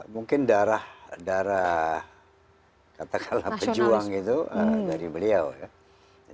mungkin darah darah katakanlah pejuang itu dari beliau ya